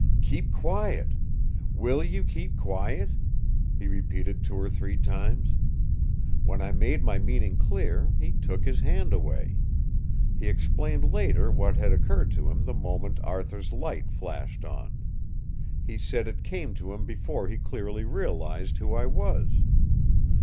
'Keep quiet! Will you keep quiet?' he repeated two or three times. When I made my meaning clear, he took his hand away. He explained later what had occurred to him the moment Arthur's light flashed on. He said it came to him before he clearly realized who I was.